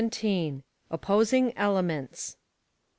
OPPOSING ELEMENTS.